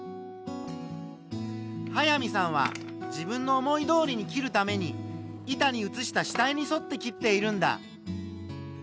早見さんは自分の思いどおりに切るために板に写した下絵にそって切っているんだ。